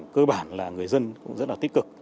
cơ bản là người dân cũng rất là tích cực